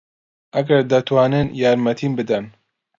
ئەگەر دەتوانن یارمەتیم بدەن.